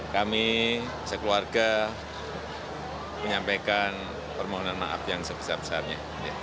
kami sekeluarga menyampaikan permohonan maaf yang sebesar besarnya